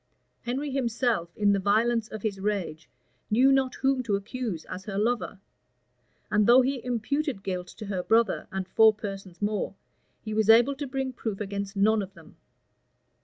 Henry himself, in the violence of his rage, knew not whom to accuse as her lover; and though he imputed guilt to her brother, and four persons more, he was able to bring proof against none of them.